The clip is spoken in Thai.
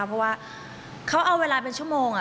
เพราะว่าเขาเอาเวลาเป็นชั่วโมง